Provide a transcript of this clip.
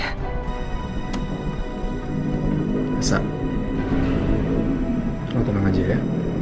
rasa lo tenang aja ya